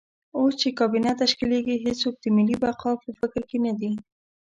اوس چې کابینه تشکیلېږي هېڅوک د ملي بقا په فکر کې نه دي.